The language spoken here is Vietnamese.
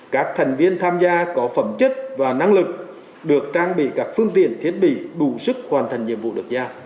các thành viên tham gia có phẩm chất và năng lực được trang bị các phương tiện thiết bị đủ sức hoàn thành nhiệm vụ được giao